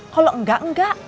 kalau enggak enggak